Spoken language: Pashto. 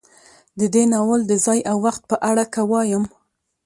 د دې ناول د ځاى او وخت په اړه که وايم